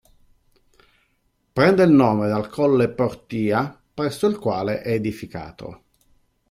Prende il nome dal colle Portia presso il quale è edificato.